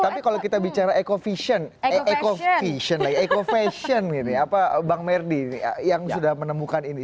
tapi kalau kita bicara eco fashion eco fashion lah eco fashion gitu ya apa bang merdi yang sudah menemukan ini